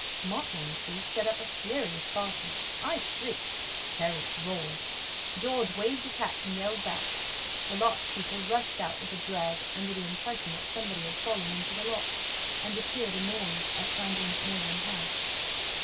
Montmorency set up a furious barking, I shrieked, Harris roared; George waved his hat, and yelled back. The lock keeper rushed out with a drag, under the impression that somebody had fallen into the lock, and appeared annoyed at finding that no one had.